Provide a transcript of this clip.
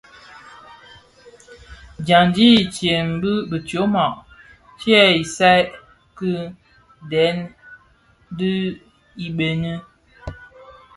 Dyandi itsem bi tyoma ti isaï ki dèň dhi ibëňi.